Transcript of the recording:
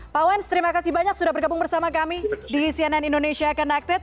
pak wens terima kasih banyak sudah bergabung bersama kami di cnn indonesia connected